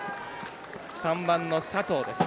３番の佐藤です。